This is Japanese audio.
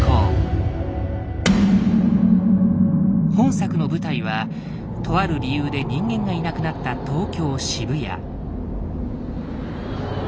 本作の舞台はとある理由で人間がいなくなった東京・渋谷。